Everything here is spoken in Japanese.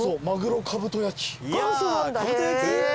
元祖なんだ。